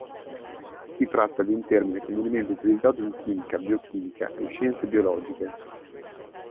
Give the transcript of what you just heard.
Si tratta di un termine comunemente utilizzato in chimica, biochimica, e scienze biologiche.